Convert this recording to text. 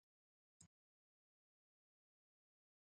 Warma vidaschaypi.